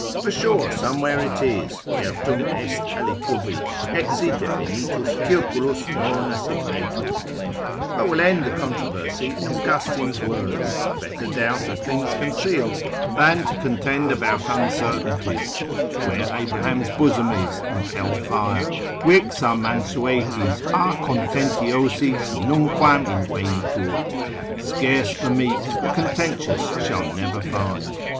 for sure somewhere it is, certum est alicubi, etsi definitus circulus non assignetur. I will end the controversy in Austin's words, Better doubt of things concealed, than to contend about uncertainties, where Abraham's bosom is, and hell fire: Vix a mansuetis, a contentiosis nunquam invenitur; scarce the meek, the contentious shall never find.